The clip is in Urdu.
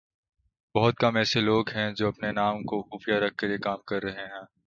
بہت کم ایسے لوگ ہیں جو اپنے نام کو خفیہ رکھ کر یہ کام کررہے ہیں